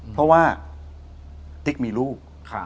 เพราะว่าติ๊กมีลูก